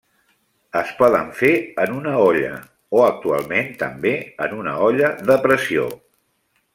Es poden fer en una olla o, actualment, també en una olla de pressió.